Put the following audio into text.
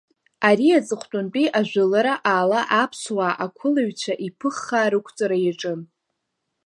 Ари аҵыхәтәантәи ажәылара ала Аԥсуаа, ақәылаҩцәа иԥыххаа рықәҵара иаҿын.